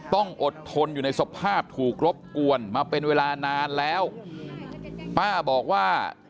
ต้องอดทนอยู่ในสภาพถูกรบกวนมาเป็นเวลานานแล้วป้าบอกว่า